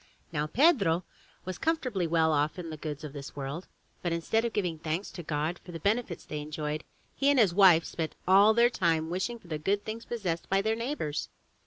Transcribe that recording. Now Pedro was comfortably well off in the goods of this world> but instead of giving thanks to God for the benefits they enjoyed, he and his wife spent all their time in wishing for the good things possessed by their neighbors.